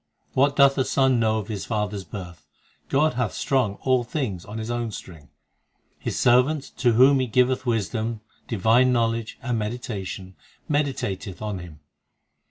What doth a son know of His father s birth ? l God hath strung all things on His own string. His servant to whom He giveth wisdom, divine know ledge, and meditation, Meditateth on Him.